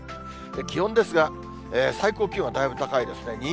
気温ですが、最高気温はだいぶ高いですね。